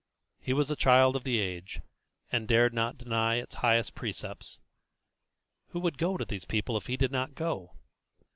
He was a child of the age, and dared not deny its highest precepts. Who would go to these people if he did not go?